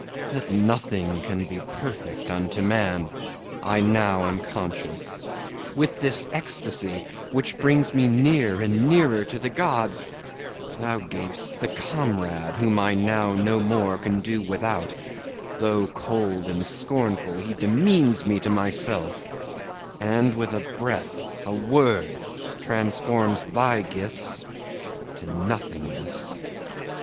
That nothing can be perfect unto Man I now am conscious. With this ecstasy, Which brings me near and nearer to the Gods, Thou gav'st the comrade, whom I now no more Can do without, though, cold and scornful, he Demeans me to myself, and with a breath, A word, transforms thy gifts to nothingness.